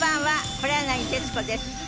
黒柳徹子です。